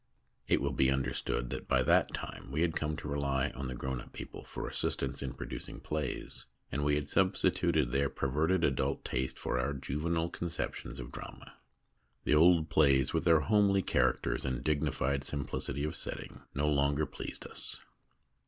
It will be understood that by that time we had come to rely on the grown up people for assistance in producing plays, and we had substituted their perverted adult taste for our juvenile conceptions of drama. The old plays, with their homely characters and dignified simplicity of setting, no longer pleased us.